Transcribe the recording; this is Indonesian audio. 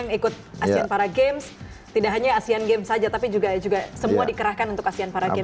yang ikut asean paragames tidak hanya asean games saja tapi juga semua dikerahkan untuk asean paragames ya